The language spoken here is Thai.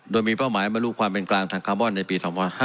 โดยมีเป้าหมายบรรลุความเป็นกลางทางคาร์บอนในปี๒๕๕๙